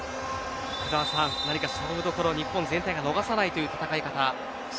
福澤さん、何か勝負どころ日本全体が逃さないという戦い方。